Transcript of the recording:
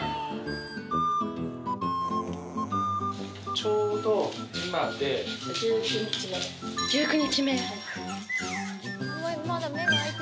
ちょうど今で・１９日目１９日目？